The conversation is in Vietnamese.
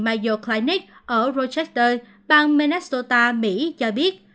bệnh viện mayo clinic ở rochester bang minnesota mỹ cho biết